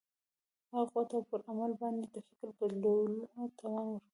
هغه قوت او پر عمل باندې د فکر بدلولو توان ورکوي.